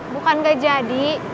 bukan gak jadi